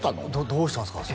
どうしたんですか？